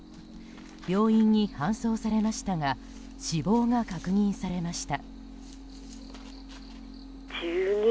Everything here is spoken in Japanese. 病院に搬送されましたが死亡が確認されました。